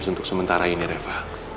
untuk sementara ini reva